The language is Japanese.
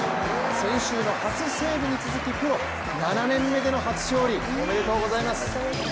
先週の初セーブに続きプロ７年目での初勝利、おめでとうございます。